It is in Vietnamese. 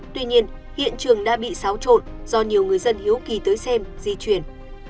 tuy nhiên hiện trường đã bị xáo trộn do nhiều người dân hiếu kỳ tới xem di chuyển